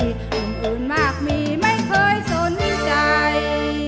หนุ่มอื่นมากมีไม่เคยสนใจ